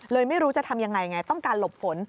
ไม่รู้จะทำยังไงไงต้องการหลบฝน